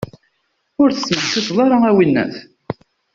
Ur tesmeḥsiseḍ ara, a winnat!